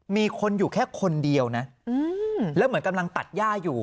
มีคนอยู่แค่คนเดียวนะแล้วเหมือนกำลังตัดย่าอยู่